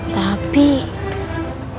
tapi punya siapa ya